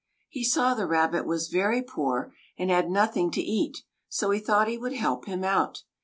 He saw the Rabbit was very poor, and had nothing to eat, so he thought he would help him out.